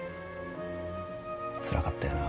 つらかったよな。